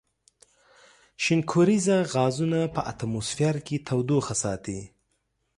شینکوریزه غازونه په اتموسفیر کې تودوخه ساتي.